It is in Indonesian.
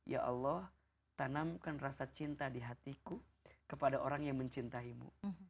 ya allah tanamkan rasa cinta di hatiku kepada orang yang mencintaimu